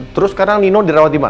terus sekarang nino dirawat dimana